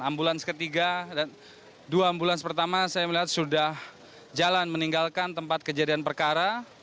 ambulans ketiga dan dua ambulans pertama saya melihat sudah jalan meninggalkan tempat kejadian perkara